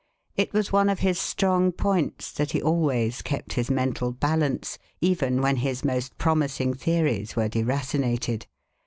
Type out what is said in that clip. It was one of his strong points that he always kept his mental balance even when his most promising theories were deracinated.